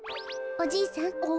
おじいさん